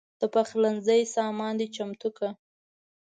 د پخلنځي سامان دې چمتو کړه.